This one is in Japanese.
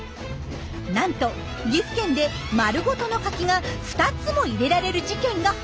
なんと岐阜県で丸ごとのカキが２つも入れられる事件が発生。